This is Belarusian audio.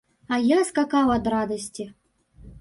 А я скакаў ад радасці.